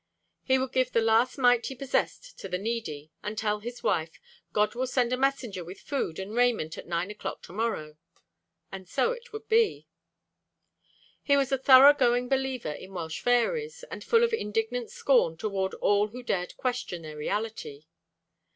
He would give the last mite he possessed to the needy, and tell his wife, "God will send a messenger with food and raiment at nine o'clock to morrow." And so it would be.' He was a thorough going believer in Welsh fairies, and full of indignant scorn toward all who dared question their reality.